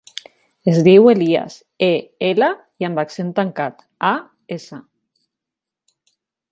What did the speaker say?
Es diu Elías: e, ela, i amb accent tancat, a, essa.